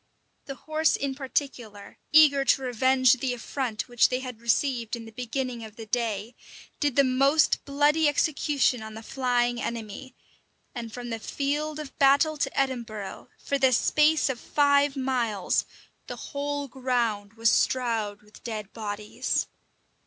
The horse in particular, eager to revenge the affront which they had received in the beginning of the day, did the most bloody execution on the flying enemy; and from the field of battle to Edinburgh, for the space of five miles, the whole ground was strowed with dead bodies.